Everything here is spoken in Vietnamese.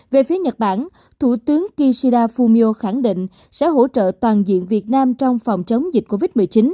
về phía nhật bản thủ tướng kishida fumio khẳng định sẽ hỗ trợ toàn diện việt nam trong phòng chống dịch covid một mươi chín